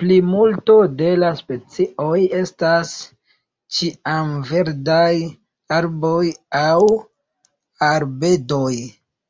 Plimulto de la specioj estas ĉiamverdaj arboj aŭ arbedoj.